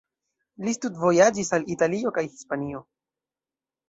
Li studvojaĝis al Italio kaj Hispanio.